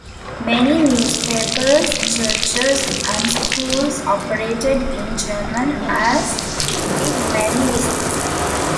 Many newspapers, churches and schools operated in German as did many businesses.